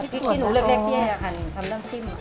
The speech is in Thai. พริกขี้หนูเล็กที่อาหารทำเรื่องชิ้น